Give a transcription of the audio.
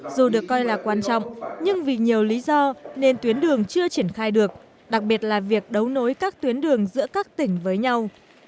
dù được coi là quan trọng nhưng vì nhiều lý do nên tuyến đường chưa triển khai được đặc biệt là việc đấu nối các tuyến đường giữa các tỉnh với nhau